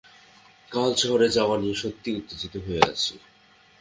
কাল শহরে যাওয়া নিয়ে সত্যিই উত্তেজিত হয়ে আছি।